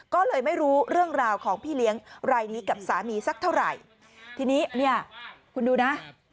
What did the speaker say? ก็เลยไม่รู้เรื่องราวของพี่เลี้ยงรายนี้กับสามีสักเท่าไหร่ทีนี้เนี่ยคุณดูนะ